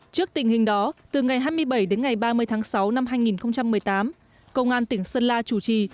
trước tình hình đó từ ngày hai mươi bảy đến ngày ba mươi tháng sáu năm hai nghìn một mươi tám công an tỉnh sơn la chủ trì